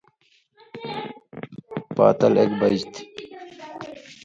پاتل اک بج تھی۔